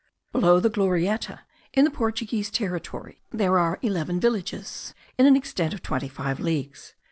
Below the Glorieta, in the Portuguese territory, there are eleven villages in an extent of twenty five leagues.